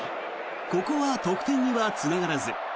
ここは得点にはつながらず。